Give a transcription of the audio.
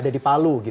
ada di palu gitu